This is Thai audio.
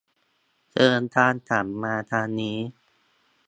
เชิญตามฉันมาทางนี้